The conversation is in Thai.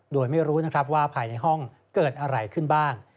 โดยไม่รู้นะครับว่าภายในห้องเกิดอะไรขึ้นบ้าง